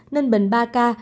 ninh bình ba ca